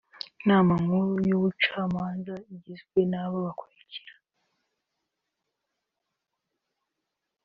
Inama nkuru y’ubucamanza igizwe n’aba bakurikira